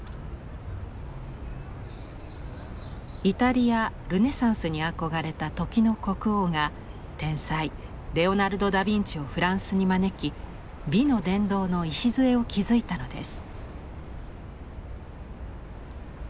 イタリア・ルネサンスに憧れた時の国王が天才レオナルド・ダ・ヴィンチをフランスに招き美の殿堂の礎を築いたのです。